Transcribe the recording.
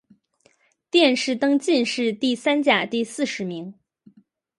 殿试登进士第三甲第四十名。